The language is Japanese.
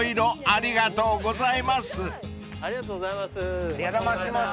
ありがとうございます。